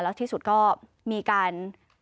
แล้วที่สุดก็มีการ